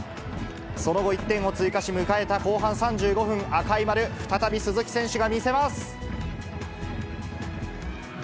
その後、１点を追加し、迎えた後半３５分、赤い丸、再び鈴木選手が見せます。